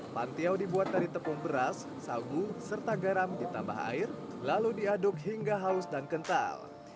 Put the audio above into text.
pantiau dibuat dari tepung beras sagu serta garam ditambah air lalu diaduk hingga haus dan kental